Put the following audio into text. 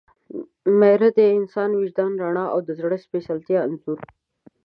میره – د انساني وجدان رڼا او د زړه د سپېڅلتیا انځور